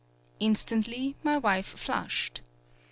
Instantly, my wife flushed.